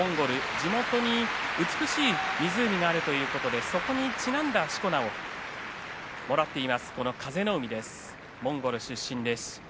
地元に美しい湖があるということでしこ名をもらっています風の湖です。